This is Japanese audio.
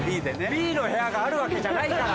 Ｂの部屋があるわけじゃないから。